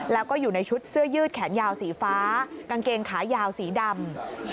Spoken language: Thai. แล้วก็อยู่ในชุดเสื้อยืดแขนยาวสีฟ้ากางเกงขายาวสีดำ